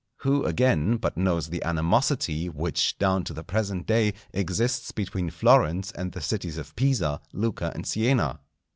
Who, again, but knows the animosity which down to the present day exists between Florence and the cities of Pisa, Lucca, and Siena?